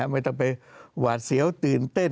ไม่ต้องไปหวาดเสียวตื่นเต้น